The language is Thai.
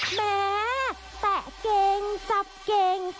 แหมแตะเก่งจับเก่ง